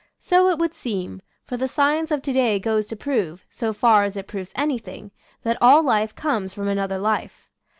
So it would seem, for the science of to day goes to prove, so far as it proves anything, that all life comes from another life.